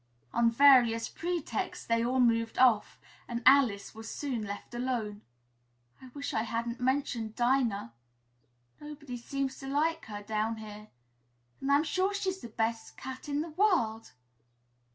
On various pretexts they all moved off and Alice was soon left alone. "I wish I hadn't mentioned Dinah! Nobody seems to like her down here and I'm sure she's the best cat in the world!"